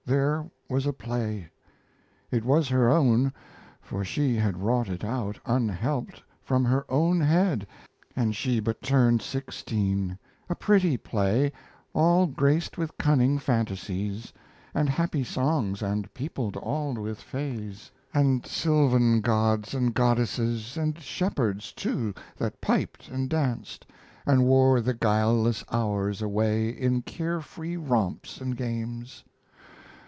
There was a play; It was her own; for she had wrought it out Unhelped, from her own head and she But turned sixteen! A pretty play, All graced with cunning fantasies, And happy songs, and peopled all with fays, And sylvan gods and goddesses, And shepherds, too, that piped and danced, And wore the guileless hours away In care free romps and games.